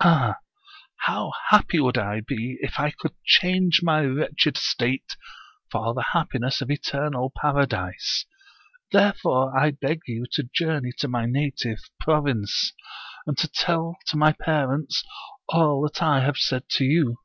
Ah! how happy would I be if I could change my wretched state for the happiness of eternal paradise. Therefore I beg you to journey to my native province, and to tell to my parents all that I have said to you.'